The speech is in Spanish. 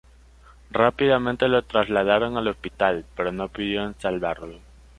Rápidamente lo trasladaron al hospital, pero no pudieron salvarlo.